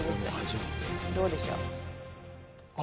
どうでしょう？